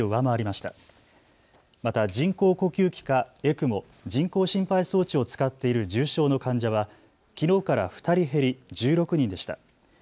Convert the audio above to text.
また人工呼吸器かＥＣＭＯ・人工心肺装置を使っている重症の患者はきのうから２人減り１６人でした。